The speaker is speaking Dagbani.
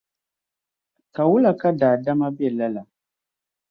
Ka wula ka daadama be lala?